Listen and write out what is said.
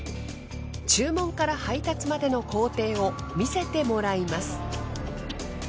注文から配達までの工程を見せてもらいます。